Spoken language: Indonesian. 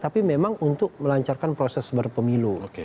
tapi memang untuk melancarkan proses berpemilu